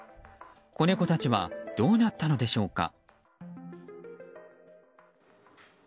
子猫たちはどうなったのでしょうか。